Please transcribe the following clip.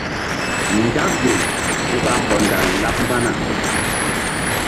Nzak gel mí ɓa hɔndal laɓ mbana.